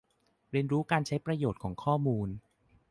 เรียนรู้การใช้ประโยชน์ของข้อมูล